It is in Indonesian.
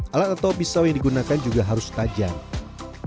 alat atau pisau yang digunakan juga harus tajam